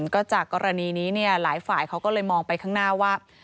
ก็จากกรณีนี้เนี่ยหลายฝ่ายเขาก็เลยมองไปข้างหน้าว่า